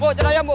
bu cerayam bu